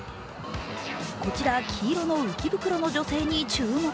こちら黄色の浮き袋の女性に注目。